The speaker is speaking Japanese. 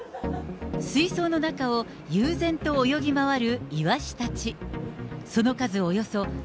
水槽の中を悠然と泳ぎまわるイワシたち。